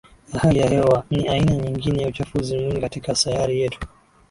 ya hali ya hewaNi aina nyingine ya uchafuzi mwingi katika sayari yetu